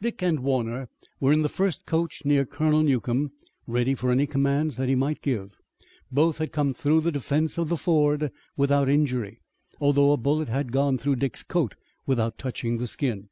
Dick and Warner were in the first coach near Colonel Newcomb, ready for any commands that he might give. Both had come through the defense of the ford without injury, although a bullet had gone through Dick's coat without touching the skin.